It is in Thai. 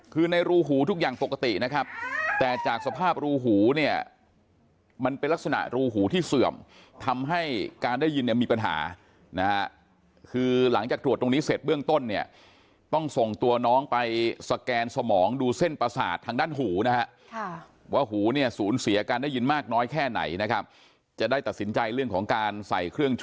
คือในรูหูทุกอย่างปกตินะครับแต่จากสภาพรูหูเนี่ยมันเป็นลักษณะรูหูที่เสื่อมทำให้การได้ยินเนี่ยมีปัญหานะฮะคือหลังจากตรวจตรงนี้เสร็จเบื้องต้นเนี่ยต้องส่งตัวน้องไปสแกนสมองดูเส้นประสาททางด้านหูนะฮะว่าหูเนี่ยศูนย์เสียการได้ยินมากน้อยแค่ไหนนะครับจะได้ตัดสินใจเรื่องของการใส่เครื่อง